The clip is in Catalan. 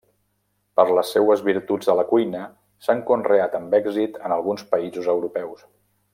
Per les seues virtuts a la cuina, s'ha conreat amb èxit en alguns països europeus.